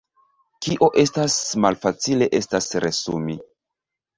Kio estas malfacile estas resumi.